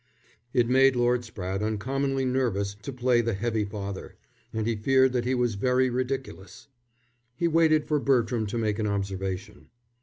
It made Lord Spratte uncommonly nervous to play the heavy father, and he feared that he was very ridiculous. He waited for Bertram to make an observation.